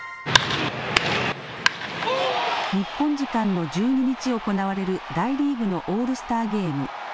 日本時間の１２日、行われる大リーグのオールスターゲーム。